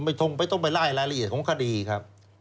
ไม่ต้องไปไล่รายละเอียดของคดีครับ